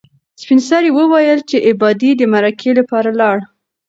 سپین سرې وویل چې ابا دې د مرکې لپاره لاړ.